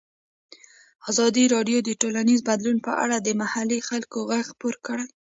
ازادي راډیو د ټولنیز بدلون په اړه د محلي خلکو غږ خپور کړی.